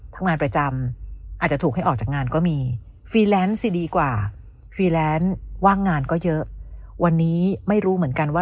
พวกน้ำประจำอาจจะถูกให้ออกจากงานก็มีไฟแรนซ์ซี่ดีกว่าว่างานก็เยอะวันนี้ไม่รู้เหมือนกันว่า